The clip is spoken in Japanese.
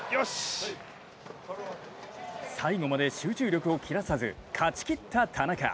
最後まで集中力を切らさず勝ちきった田中。